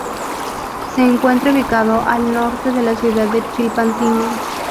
Se encuentra ubicado al norte de la ciudad de Chilpancingo.